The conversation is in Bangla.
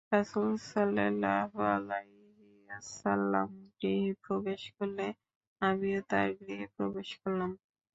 রাসূল সাল্লাল্লাহু আলাইহি ওয়াসাল্লাম গৃহে প্রবেশ করলে আমিও তার গৃহে প্রবেশ করলাম।